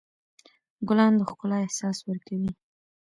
ګلان د ښکلا احساس ورکوي.